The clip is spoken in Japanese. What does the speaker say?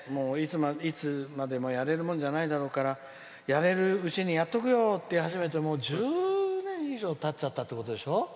いつまでもやれるもんじゃないだろうからやれるうちにやっておくよって言い始めてもう１０年以上たっちゃったってことでしょ。